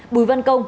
bùi văn công